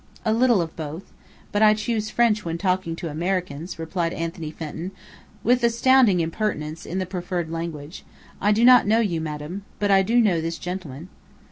"A little of both. But I choose French when talking to Americans," replied Anthony Fenton, with astounding impertinence, in the preferred language. "I do not know you, Madame. But I do know this gentleman."